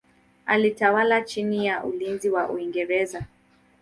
Alitawala chini ya ulinzi wa Uingereza.